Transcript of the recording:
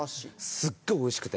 すっごいおいしくて。